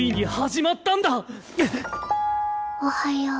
おはよう。